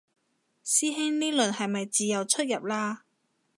師兄呢輪係咪自由出入嘞